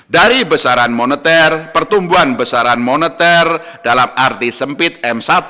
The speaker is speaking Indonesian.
dari besaran moneter pertumbuhan besaran moneter dalam arti sempit m satu